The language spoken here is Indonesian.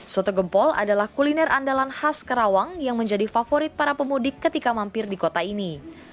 soto gempol adalah kuliner andalan khas kerawang yang menjadi favorit para pemudik ketika mampir di kota ini